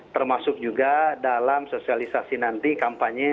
termasuk juga dalam sosialisasi nanti kampanye